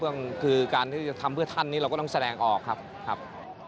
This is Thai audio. ก็คือการที่จะทำเพื่อท่านนี้เราก็ต้องแสดงออกครับครับ